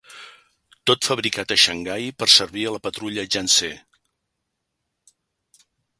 Tot fabricat a Xangai per servir a la Patrulla de Yangtze.